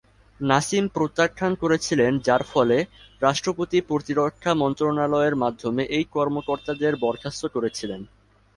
নাসিম প্রত্যাখ্যান করেছিলেন যার ফলে রাষ্ট্রপতি প্রতিরক্ষা মন্ত্রণালয়ের মাধ্যমে এই কর্মকর্তাদের বরখাস্ত করেছিলেন।